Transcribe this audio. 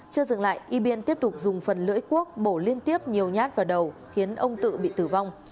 chưa dừng lại ybin tiếp tục dùng phần lưỡi cuốc bổ liên tiếp nhiều nhát vào đầu khiến ông tự bị tử vong